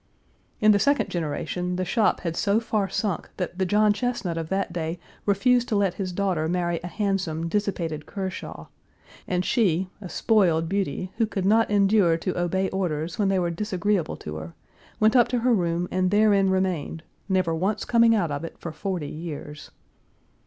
In the second generation the shop had so far sunk that the John Chesnut of that day refused to let his daughter marry a handsome, dissipated Kershaw, and she, a spoiled beauty, who could not endure to obey orders when they were disagreeable to her, went up to her room and therein remained, never once coming out of it for forty years.